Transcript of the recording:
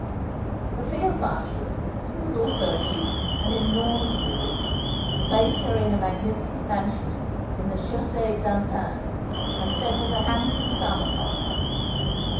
The Field Marshal, who was also a duke and enormously rich, placed her in a magnificent mansion in the Chausseé d'Antin, and settled a handsome sum upon her.